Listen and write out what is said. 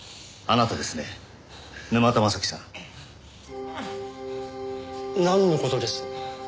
なんの事です？